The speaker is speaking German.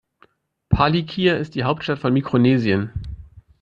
Palikir ist die Hauptstadt von Mikronesien.